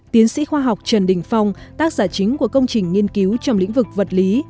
tiến sĩ khoa học trần đình phong tác giả chính của công trình nghiên cứu trong lĩnh vực vật lý